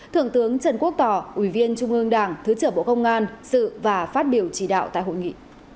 thượng tướng trần quốc tỏ ủy viên trung ương đảng thứ trưởng bộ công an sự và phát biểu chỉ đạo tại hội nghị